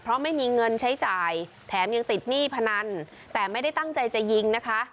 เพราะไม่มีเงินใช้จ่ายแถมยังติดหนี้พนันแต่ไม่ได้ตั้งใจจะยิงนะคะ